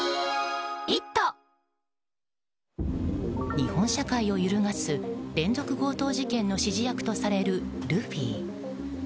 日本社会を揺るがす連続強盗事件の指示役とされるルフィ。